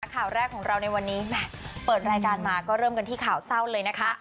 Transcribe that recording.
ข่าวแรกของเราในวันนี้เปิดรายการมาก็เริ่มกันที่ข่าวเศร้าเลยนะคะ